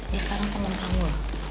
dia sekarang temen kamu